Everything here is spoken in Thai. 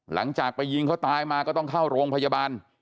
หลังจากไปยิงเขาตายมาก็ต้องเข้าโรงพยาบาล